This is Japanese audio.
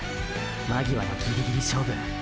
間際のギリギリ勝負。